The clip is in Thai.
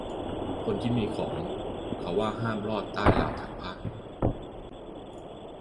คนที่มีของ เขาว่าห้ามลอดใต้ราวตากผ้า